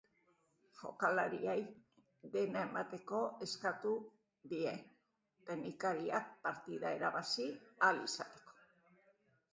Jokalariei dena emateko eskatu die teknikariak partida irabazi ahal izateko.